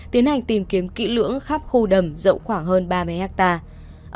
tiến hành tìm kiếm kỹ lưỡng khắp khu đầm rộng khoảng hơn ba mươi hectare